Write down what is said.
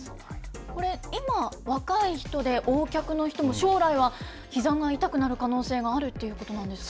これ、今、若い人でＯ脚の人も、将来はひざが痛くなる可能性があるっていうことなんですか？